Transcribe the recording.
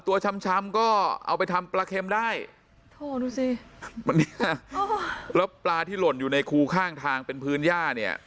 ตัวช้ำก็เอาไปทำปลาเข็มได้แล้วปลาที่หล่นอยู่ในคูข้างทางเป็นพื้นย่าเนี่ย